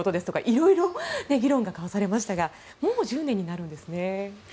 色々、議論が交わされましたがもう１０年になるんですね。